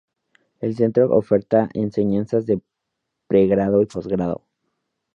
El centro oferta enseñanzas de pregrado y posgrado.